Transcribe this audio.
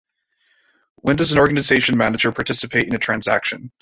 When Does an Organization Manager Participate in a Transaction?